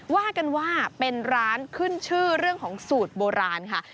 ว่ากันว่าเป็นร้านขึ้นชื่อเรื่องของสูตรโบราณค่ะ